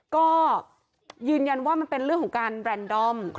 ก็ยืนยันว่ามันเป็นเรื่องของการแบรนดอม